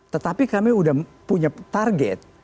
tetapi kami sudah punya target